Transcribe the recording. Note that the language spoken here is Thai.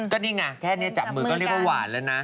ก็นี่ไงแค่นี้จับมือก็เรียกว่าหวานแล้วนะ